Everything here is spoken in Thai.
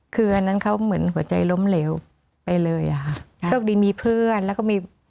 คืออันนั้นเขาเหมือนหัวใจล้มเหลวไปเลยอ่ะค่ะโชคดีมีเพื่อนแล้วก็มี